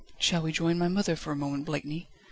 "Shall we join my mother for a moment, Blakeney?"